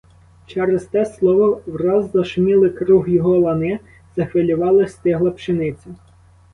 Через те слово враз зашуміли круг його лани, захвилювалась стигла пшениця.